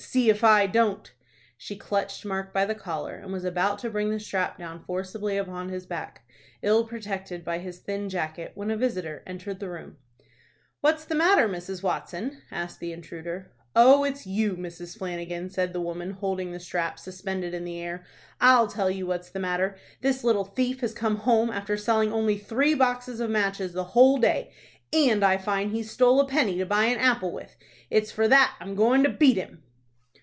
"See if I don't." She clutched Mark by the collar, and was about to bring the strap down forcibly upon his back, ill protected by his thin jacket, when a visitor entered the room. "What's the matter, Mrs. Watson?" asked the intruder. "Oh, it's you, Mrs. Flanagan?" said the woman, holding the strap suspended in the air. "I'll tell you what's the matter. This little thief has come home, after selling only three boxes of matches the whole day, and I find he's stole a penny to buy an apple with. It's for that I'm goin' to beat him."